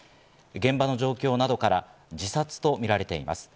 現場の状況などから自殺とみられています。